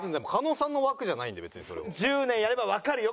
僕別に１０年やればわかるよ